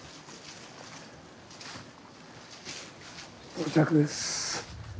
到着です。